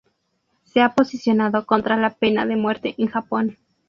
Se ha posicionado contra la pena de muerte en Japón.